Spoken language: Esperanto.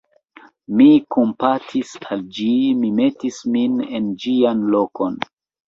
mi kompatis al ĝi, mi metis min en ĝian lokon.